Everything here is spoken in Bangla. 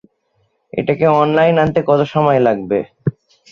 এটাকে অনলাইনে আনতে কত সময় লাগবে?